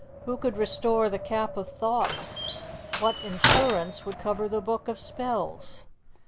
Who could restore the Cap of Thought? What insurance would cover the Book of Spells?